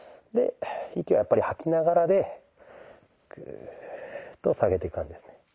で息はやっぱり吐きながらでグーッと下げていく感じですね。